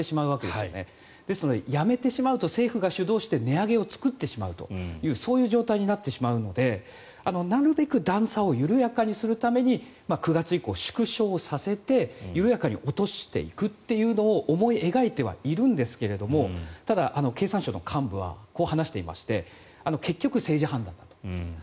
ですので、やめてしまうと政府が主導して値上げを作ってしまうというそういう状態になってしまうのでなるべく段差を緩やかにするために９月以降、縮小させて緩やかに落としていくというのを思い描いてはいるんですがただ、経産省の幹部はこう話していまして結局、政治判断だと。